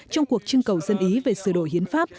trong cuộc trưng cầu dân ý về sửa đổi hiến pháp